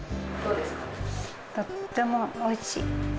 とってもおいしい。